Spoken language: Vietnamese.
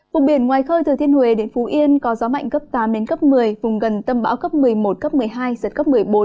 vùng biển ngoài khơi từ thiên huế đến phú yên có gió mạnh cấp tám một mươi vùng gần tâm bão cấp một mươi một một mươi hai sợi trên cấp một mươi bốn